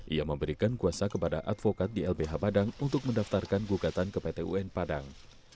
ia memberikan kuasa kepada advokat di lbh padang untuk mendaftarkan gugatan ke pt un padang